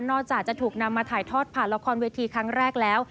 จะถูกนำมาถ่ายทอดผ่านละครเวทีครั้งแรกแล้ว